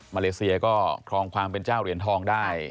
เลเซียก็ครองความเป็นเจ้าเหรียญทองได้